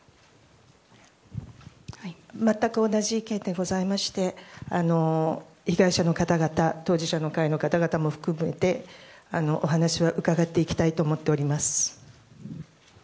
全く同じ意見でございまして被害者の方々当事者の会の方々も含めてお話は伺っていきたいと思っております。